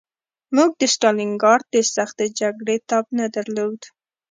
موږ د ستالینګراډ د سختې جګړې تاب نه درلود